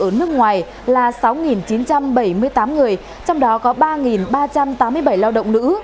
ở nước ngoài là sáu chín trăm bảy mươi tám người trong đó có ba ba trăm tám mươi bảy lao động nữ